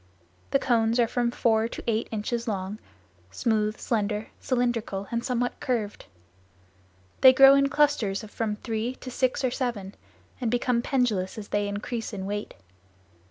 The cones are from four to eight inches long, smooth, slender, cylindrical and somewhat curved. They grow in clusters of from three to six or seven and become pendulous as they increase in weight.